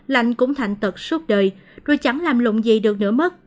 lành cũng thành tật suốt đời rồi chẳng làm lụng gì được nữa mất